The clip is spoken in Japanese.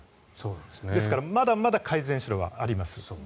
ですから、まだまだ改善しろはあります。